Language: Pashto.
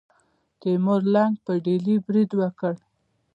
تیمور لنګ په ډیلي برید وکړ.